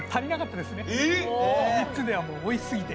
３つではもうおいしすぎて。